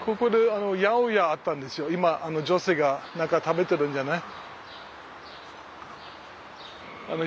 今女性が何か食べてるんじゃない。